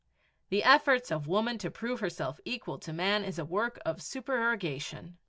The efforts of woman to prove herself equal to man is a work of supererogation.